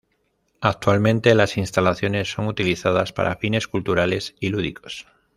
Actualmente las instalaciones son utilizadas para fines culturales y lúdicos.